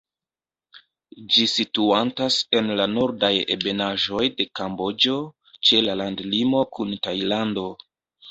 Ĝi situantas en la nordaj ebenaĵoj de Kamboĝo, ĉe la landlimo kun Tajlando.